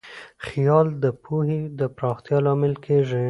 خیال د پوهې د پراختیا لامل کېږي.